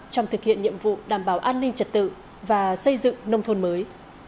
trong thực hiện nhiệm vụ đảm bảo an ninh trật tự và xây dựng nông thôn mới